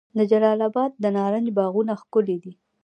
د جلال اباد د نارنج باغونه ښکلي دي.